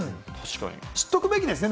知っておくべきですね。